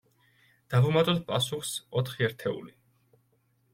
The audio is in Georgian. დავუმატოთ პასუხს ოთხი ერთეული.